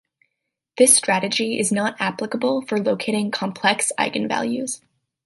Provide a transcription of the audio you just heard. This strategy is not applicable for locating complex eigenvalues.